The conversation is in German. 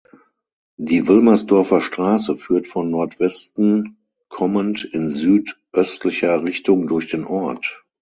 Die "Wilmersdorfer Straße" führt von Nordwesten kommend in südöstlicher Richtung durch den Ort.